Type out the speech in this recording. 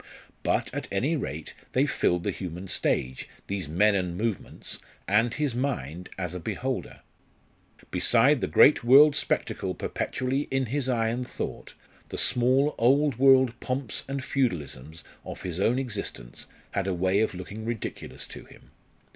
But, at any rate, they filled the human stage these men and movements and his mind as a beholder. Beside the great world spectacle perpetually in his eye and thought, the small old world pomps and feudalisms of his own existence had a way of looking ridiculous to him.